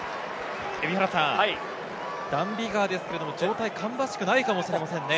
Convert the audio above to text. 蛯原さん、ダン・ビガーですが、状態、芳しくないかもしれませんね。